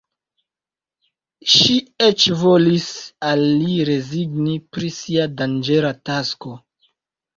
Ŝi eĉ volis al li rezigni pri sia danĝera tasko.